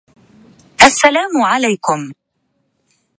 مِنْ وَرَائِهِ عَلَى ظَهْرِهِ